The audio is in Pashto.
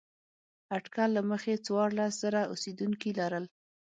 اټکل له مخې څوارلس زره اوسېدونکي لرل.